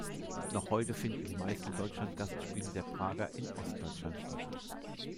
Noch heute finden die meisten Deutschland-Gastspiele der Prager in Ostdeutschland statt.